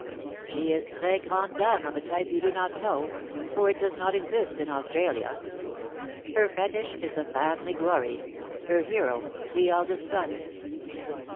* She is trh grande dame of a type you do not know, for it does not exist in Australia. Her fetish is the family glory — her hero the eldest son.